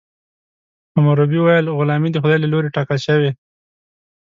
حموربي ویل غلامي د خدای له لورې ټاکل شوې.